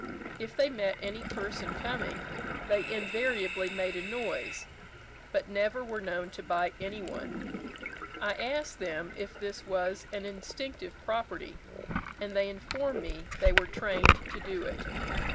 If they met any person coming, they invariably made a noise, but never were known to bite any one. I asked them if this was an instinctive property, and they informed me they were trained to it.